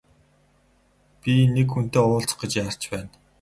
Би нэг хүнтэй уулзах гэж яарч байна.